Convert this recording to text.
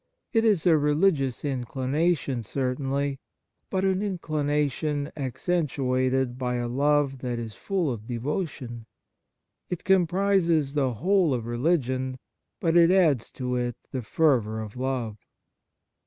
It is a religious inclination, certainly, but an inclina tion accentuated by a love that is full of devotion. It comprises the whole of religion, but it adds to it the fervour of love.